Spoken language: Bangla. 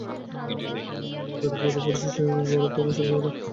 নিজের তৈরি ফাঁদই পুরুষের সব চেয়ে বড়ো উপাস্য দেবতা।